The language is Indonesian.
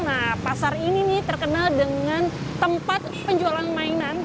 nah pasar ini nih terkenal dengan tempat penjualan mainan